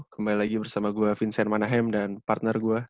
kembali lagi bersama gue vincent manahem dan partner gue